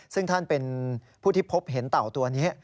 ซึ่งท่านเป็นผู้ที่พบเห็นเต่าตัวนี้